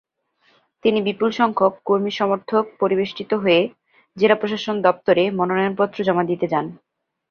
তিনি বিপুলসংখ্যক কর্মী-সমর্থক পরিবেষ্টিত হয়ে জেলা প্রশাসন দপ্তরে মনোনয়নপত্র জমা দিতে যান।